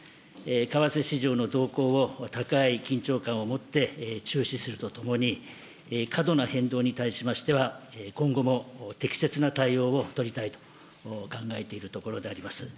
為替市場の動向を、高い緊張感を持って注視するとともに、過度な変動に対しましては、今後も適切な対応を取りたいと考えているところであります。